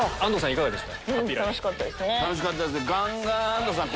いかがでした？